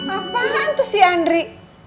apahan tuh si andri